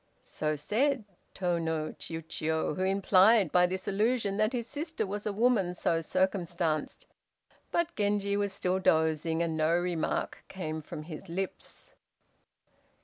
So said Tô no Chiûjiô, who implied by this allusion that his sister was a woman so circumstanced. But Genji was still dozing, and no remark came from his lips.